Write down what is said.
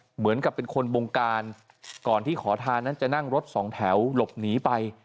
เหมือนกับเป็นคนบงการก่อนที่ขอทานนั้นจะนั่งรถสองแถวหลบหนีไป